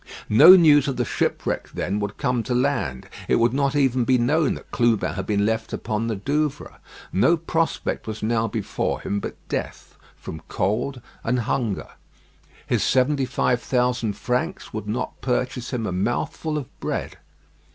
No news of the shipwreck then would come to land. It would not even be known that Clubin had been left upon the Douvres. No prospect was now before him but death from cold and hunger. His seventy five thousand francs would not purchase him a mouthful of bread.